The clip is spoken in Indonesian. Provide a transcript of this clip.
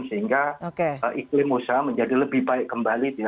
sehingga iklim usaha menjadi lebih baik kembali